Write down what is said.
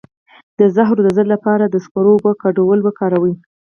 د زهرو د ضد لپاره د سکرو او اوبو ګډول وکاروئ